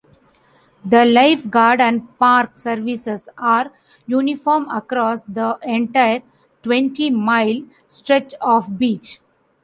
The lifeguard and park services are uniform across the entire twenty-mile stretch of beach.